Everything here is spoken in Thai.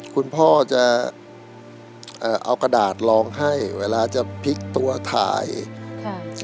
คุณพ่อจะเอ่อเอากระดาษลองให้เวลาจะพลิกตัวถ่ายค่ะ